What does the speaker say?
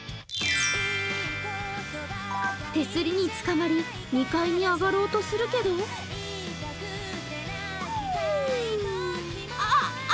手すりにつかまり、２階に上がろうとするけどあっあ！